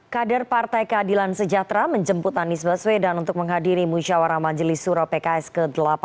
kader partai keadilan sejahtera menjemput anies baswedan untuk menghadiri musyawarah majelis suro pks ke delapan